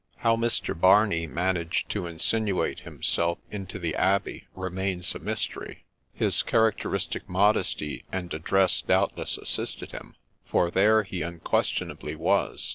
How Mr. Barney managed to insinuate himself into the Abbey remains a mystery : his characteristic modesty and address doubtless assisted him, for there he unquestionably was.